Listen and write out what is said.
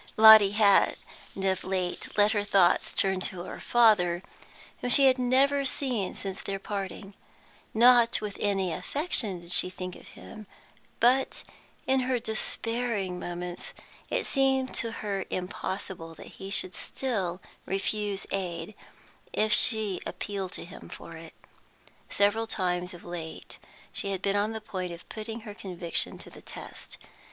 Lotty had of late let her thoughts turn to her father, whom she had never seen since their parting. Not with any affection did she think of him, but, in her despairing moments, it seemed to her impossible that he should still refuse aid if she appealed to him for it. Several times of late she had been on the point of putting her conviction to the test.